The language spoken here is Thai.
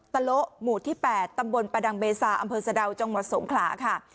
ตะโละหมู่ที่๘ตำบลประดังเบซาอำเภอสะดาวจังหวัดสงขลาค่ะ